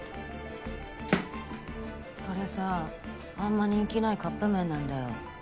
これさあんま人気ないカップ麺なんだよ。